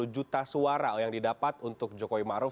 satu juta suara yang didapat untuk jokowi maruf